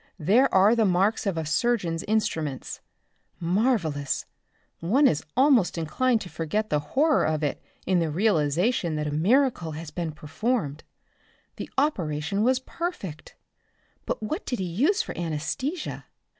"There are the marks of a surgeon's instruments. Marvelous. One is almost inclined to forget the horror of it in the realization that a miracle has been performed. The operation was perfect. But what did he use for anesthesia?